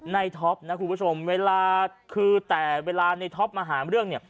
ท็อปนะคุณผู้ชมเวลาคือแต่เวลาในท็อปมาหาเรื่องเนี่ย